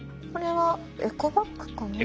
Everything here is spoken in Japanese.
これはエコバッグかな？